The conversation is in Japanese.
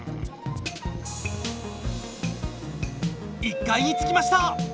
１階に着きました。